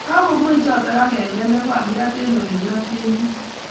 Kagomwei choto agenge negogagirat eng olegiraten biik